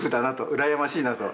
うらやましいなと。